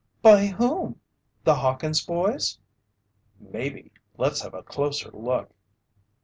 "By whom? The Hawkins' boys?" "Maybe. Let's have a closer look."